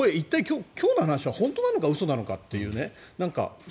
今日の話は本当なのか嘘なのか